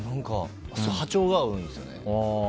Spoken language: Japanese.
波長が合うんですよね。